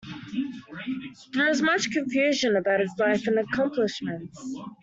There is much confusion about his life and accomplishments.